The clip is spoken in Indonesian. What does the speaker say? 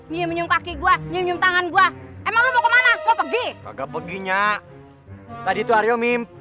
nyium nyium kaki gua nyium tangan gua emang lu mau kemana mau pergi nggak peginya tadi itu aryo